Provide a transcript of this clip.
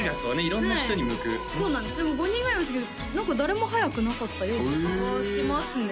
色んな人に向くそうなんですでも５人ぐらいいるんですけど誰も速くなかったような気がしますね